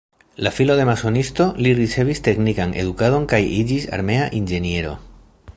La filo de masonisto, li ricevis teknikan edukadon kaj iĝis armea inĝeniero.